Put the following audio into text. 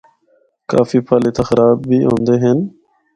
کافی پھل اِتھا خراب بھی ہوندے ہن۔